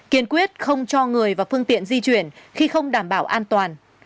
kiên quyết không cho người và phương tiện di chuyển khi không đảm bảo an toàn